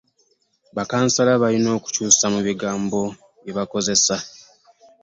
Bakansala balina okukyuusa mu bigambo bye bakozesa.